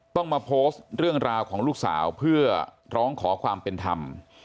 ต้องมาโพสต์เรื่องราวของลูกสาวเพื่อร้องขอความเป็นธรรม